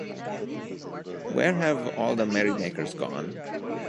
Where Have All the Merrymakers Gone?